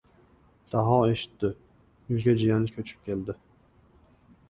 Daho eshitdi: uyga jiyani ko‘chib keldi.